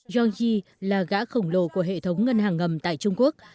yeonggi là gã khổng lồ của hệ thống ngân hàng ngầm tại trung quốc